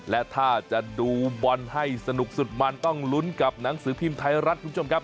และถ้าจะดูบอลให้สนุกสุดมันต้องลุ้นกับหนังสือพิมพ์ไทยรัฐคุณผู้ชมครับ